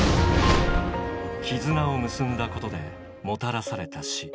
絆を結んだことでもたらされた死。